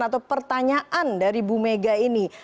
atau pertanyaan dari bu mega ini